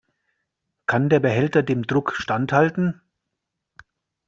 Kann der Behälter dem Druck standhalten?